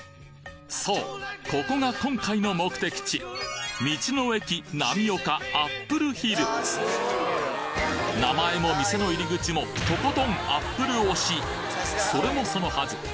そうここが今回の目的地名前も店の入り口もとことんアップル押しそれもそのはず。